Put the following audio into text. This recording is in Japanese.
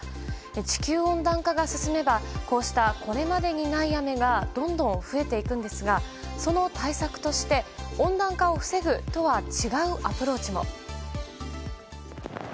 地球温暖化が進めばこうした、これまでにない雨がどんどん増えていくんですがその対策として温暖化を防ぐとは違うアプローチも。